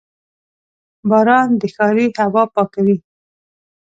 • باران د ښاري هوا پاکوي.